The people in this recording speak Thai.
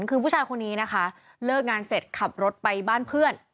คือผู้ชายคนนี้นะคะเลิกงานเสร็จขับรถไปบ้านเพื่อน